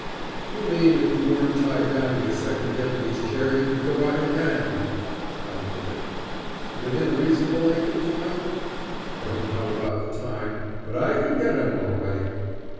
"You mean if you weren't tied down to your Second Deputy's chair you could go out and get him!" "I could!" "Within a reasonable length of time?" "I don't know about the time! But I could get him, all right."